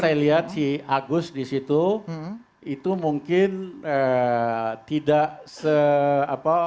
saya lihat si agus di situ itu mungkin tidak se apa